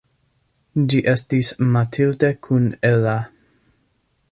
Ĝi estis Mathilde kun Ella.